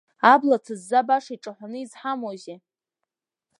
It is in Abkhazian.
Абла ҭызза баша иҿаҳәаны изҳамоузеи…